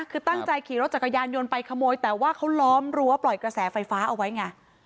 คือตั้งใจขี่รถจักรยานยนต์ไปขโมยแต่ว่าเขาล้อมรั้วปล่อยกระแสไฟฟ้าเอาไว้ไง